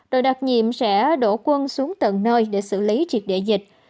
đội đặc nhiệm sẽ đổ quân xuống tận nơi để xử lý triệt địa dịch